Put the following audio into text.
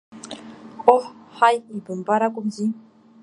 Ҟоҳ, ҳаи, ибымбар акәымзи!